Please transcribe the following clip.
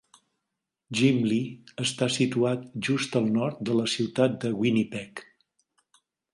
Gimli està situat just al nord de la ciutat de Winnipeg.